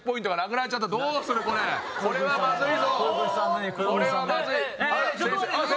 これはまずい！